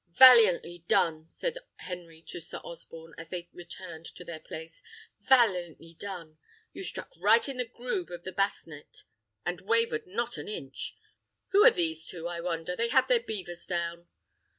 "Valiantly done!" said Henry to Sir Osborne, as they returned to their place; "valiantly done! You struck right in the groove of the basnet, and wavered not an inch. Who are these two, I wonder? They have their beavers down."